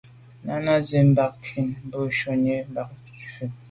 Náná zí bǎk ncwɛ́n bû shúnì kā bút.